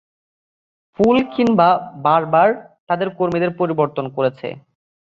ফুল কিংরা বারবার তাদের কর্মীদের পরিবর্তন করেছে।